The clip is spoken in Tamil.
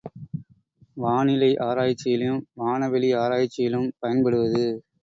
வானிலை ஆராய்ச்சியிலும் வானவெளி ஆராய்ச்சியிலும் பயன்படுவது.